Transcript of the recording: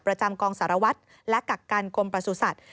ประจำกองสารวัตรและกักกันกรมประสุทธิ์